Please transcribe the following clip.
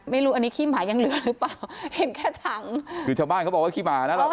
ไม่รู้อันนี้ขี้หมายังเหลือหรือเปล่าเห็นแค่ถังคือชาวบ้านเขาบอกว่าขี้หมานะเรา